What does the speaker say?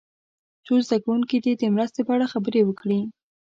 څو زده کوونکي دې د مرستې په اړه خبرې وکړي.